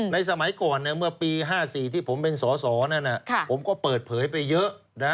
สมัยก่อนเมื่อปี๕๔ที่ผมเป็นสอสอนั่นผมก็เปิดเผยไปเยอะ